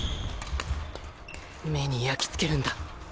目に焼きつけるんだ。